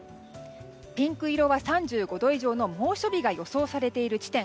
ピンク色は３５度以上の猛暑日が予想されている地点。